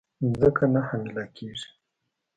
مځکه نه حامله کیږې